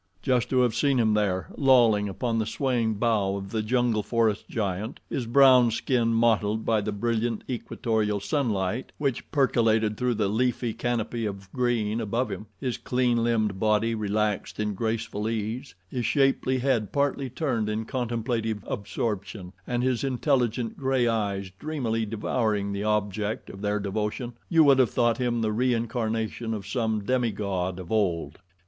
Just to have seen him there, lolling upon the swaying bough of the jungle forest giant, his brown skin mottled by the brilliant equatorial sunlight which percolated through the leafy canopy of green above him, his clean limbed body relaxed in graceful ease, his shapely head partly turned in contemplative absorption and his intelligent, gray eyes dreamily devouring the object of their devotion, you would have thought him the reincarnation of some demigod of old.